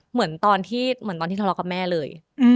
เหมือนตอนที่ทะเลาะกับแม่เลย